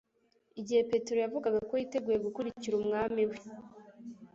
Igihe Petero yavugaga ko yiteguye gukurikira Umwami we,